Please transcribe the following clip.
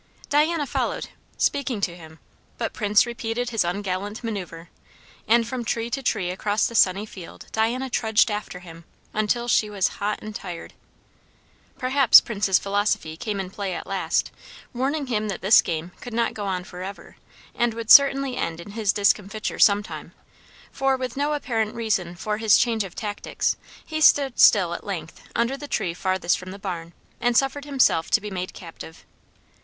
Diana followed, speaking to him; but Prince repeated his ungallant manoeuvre; and from tree to tree across the sunny field Diana trudged after him, until she was hot and tired. Perhaps Prince's philosophy came in play at last, warning him that this game could not go on for ever, and would certainly end in his discomfiture some time; for, with no apparent reason for his change of tactics, he stood still at length under the tree farthest from the barn, and suffered himself to be made captive.